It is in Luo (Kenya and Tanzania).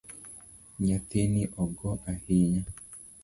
Nyathini ogo ahinya.